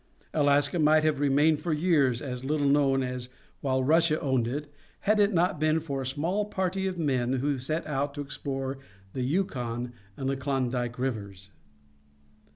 Alaska might have remained for years as little known as while Russia owned it had it not been for a small party of men who set out to explore the Yukon and the Klondike Rivers.